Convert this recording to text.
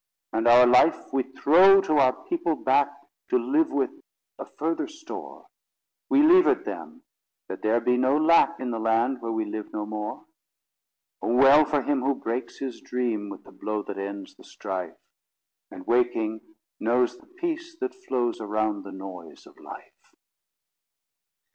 And our life we throw to our people back, To live with, a further store; We leave it them, that there be no lack In the land where we live no more. Oh, well for him who breaks his dream With the blow that ends the strife And, waking, knows the peace that flows Around the noise of life!